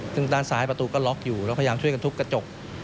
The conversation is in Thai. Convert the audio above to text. ซึ่งด้านซ้ายประตูก็ล็อกอยู่แล้วพยายามช่วยกันทุบกระจก